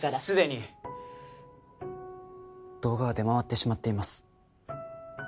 すでに動画は出回ってしまっています。